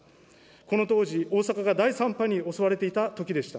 この当時、大阪が第３波に襲われていたときでした。